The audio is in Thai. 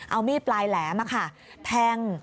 เอามีดปลายแหลมแทง